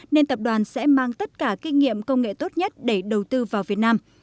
nên tập đoàn sẽ mang tất cả kinh nghiệm công nghệ tốt nhất để đầu tư vào việt nam